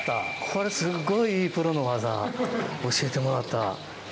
これすごいいいプロの技教えてもらった。